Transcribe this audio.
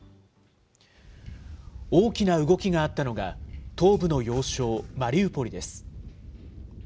大きな動きがあったのが、東部の要衝マリウポリです。